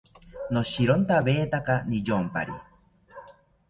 Noshirontawetaka niyompari